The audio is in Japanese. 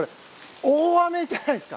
大雨じゃないですか。